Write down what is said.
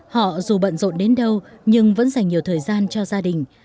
họ dù bận rộn đến đâu nhưng vẫn dành nhiều thời gian cho gia đình